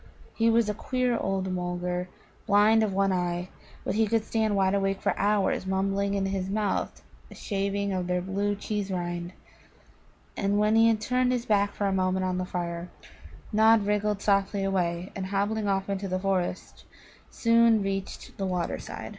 He was a queer old Mulgar, blind of one eye, but he could stand wide awake for hours mumbling in his mouth a shaving of their blue cheese rind. And when he had turned his back for a moment on the fire, Nod wriggled softly away, and, hobbling off into the forest, soon reached the water side.